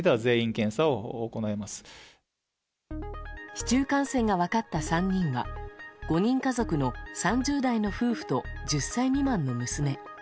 市中感染が分かった３人は５人家族の３０代の夫婦と１０歳未満の娘。